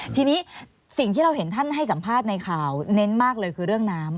ทีนี้สิ่งที่เราเห็นท่านให้สัมภาษณ์ในข่าวเน้นมากเลยคือเรื่องน้ำ